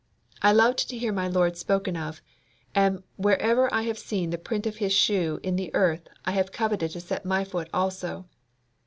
I loved to hear my Lord spoken of, and wherever I have seen the print of His shoe in the earth I have coveted to set my foot also.